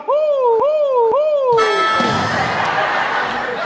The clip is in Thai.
ฮู้มามา